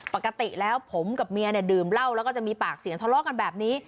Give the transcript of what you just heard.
ปกติแล้วผมกับเมียเนี่ยดื่มเหล้าแล้วก็จะมีปากเสียงทะเลาะกันแบบนี้